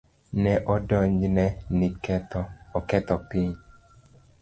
Ne odonjne ni oketho piny.